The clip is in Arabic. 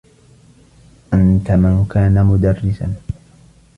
أنت من كان مدرّسا.